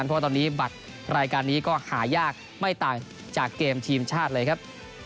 เพราะว่าตอนนี้บัตรรายการนี้ก็หายากไม่ต่างจากเกมทีมชาติเลยครับ